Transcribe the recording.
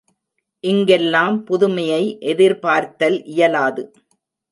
இங்கெல்லாம் புதுமையை எதிர்பார்த்தல் இயலாது.